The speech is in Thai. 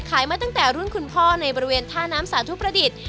มาตั้งแต่รุ่นคุณพ่อในบริเวณท่าน้ำสาธุประดิษฐ์